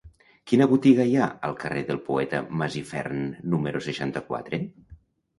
Quina botiga hi ha al carrer del Poeta Masifern número seixanta-quatre?